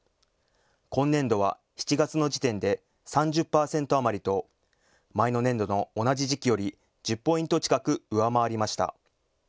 今年度は７月の時点で３０％余りと前の年度の同じ時期より１０ポイント近く上回りました。